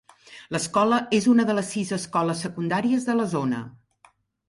L'escola és una de les sis escoles secundàries de la zona.